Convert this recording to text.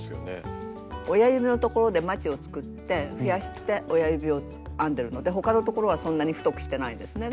親指のところでまちを作って増やして親指を編んでるので他のところはそんなに太くしてないですね。